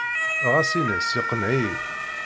Ɣas in-as iqenneɛ-iyi.